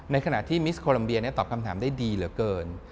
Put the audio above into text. ขณะที่มิสโคลัมเบียตอบคำถามได้ดีเหลือเกิน